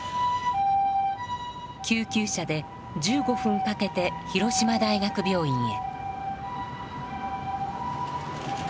救急車で１５分かけて広島大学病院へ。